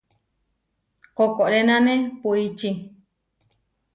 Koʼkorenane puičí.